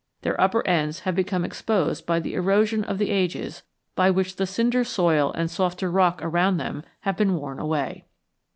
Their upper ends have become exposed by the erosion of the ages by which the cinder soil and softer rock around them have been worn away.